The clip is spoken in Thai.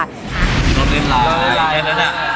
เล่นไลน์